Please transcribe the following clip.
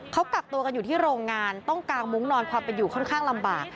เขากักตัวกันอยู่ที่โรงงานต้องกางมุ้งนอนความเป็นอยู่ค่อนข้างลำบาก